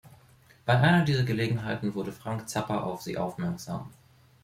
Bei einer dieser Gelegenheiten wurde Frank Zappa auf sie aufmerksam.